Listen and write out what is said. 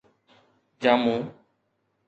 جامو